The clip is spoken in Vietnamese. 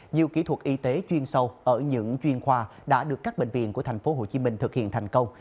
nhiều kỹ thuật y tế chuyên sâu ở những chuyên khoa đã được các bệnh viện của tp hcm thực hiện thành công